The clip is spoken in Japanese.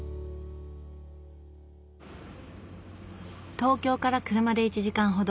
東京から車で１時間ほど。